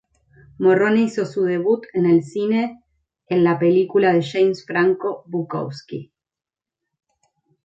Morrone hizo su debut en el cine el la película de James Franco, "Bukowski".